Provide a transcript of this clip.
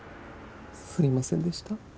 すいませんでした。